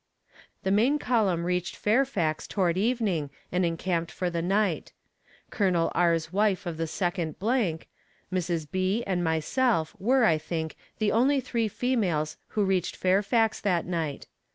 The main column reached Fairfax toward evening and encamped for the night. Col. R.'s wife of the Second , Mrs. B. and myself were, I think, the only three females who reached Fairfax that night.